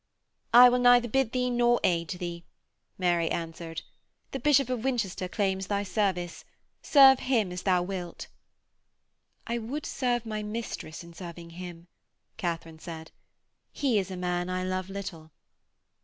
'I will neither bid thee nor aid thee,' Mary answered. 'The Bishop of Winchester claims thy service. Serve him as thou wilt.' 'I would serve my mistress in serving him,' Katharine said. 'He is a man I love little.'